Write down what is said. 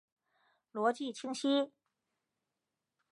逻辑清晰！